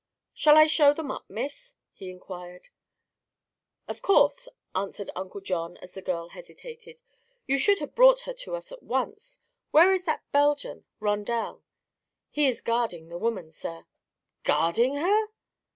"Shall I show them up, Miss?" he inquired. "Of course," answered Uncle John, as the girl hesitated. "You should have brought her to us at once. Where is that Belgian Rondel?" "He is guarding the woman, sir." "Guarding her!"